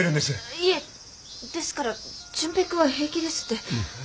いえですから純平君は平気ですって。